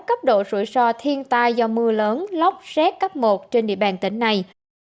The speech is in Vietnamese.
cấp độ rủi ro thiên tai do mưa lớn lốc xét cấp một trên địa bàn tỉnh này